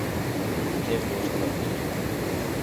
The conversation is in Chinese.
篇幅长短不一。